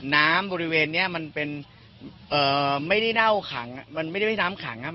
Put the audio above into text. น้ำบริเวณเนี่ยมันเป็นไม่ได้น่าวขังมันไม่ได้น้ำขังนะ